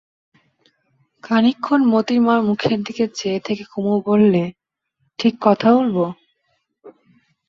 খানিকক্ষণ মোতির মার মুখের দিকে চেয়ে থেকে কুমু বললে, ঠিক কথা বলব?